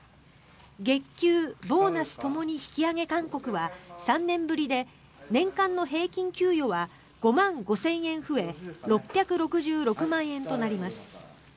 月給、ボーナスともに引き上げ勧告は３年ぶりで年間の平均給与は５万５０００円増え６６０万円となります。